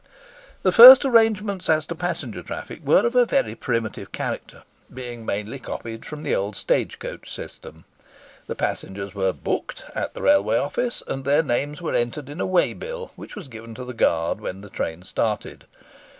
The first arrangements as to passenger traffic were of a very primitive character, being mainly copied from the old stage coach system. The passengers were "booked" at the railway office, and their names were entered in a way bill which was given to the guard when the train started.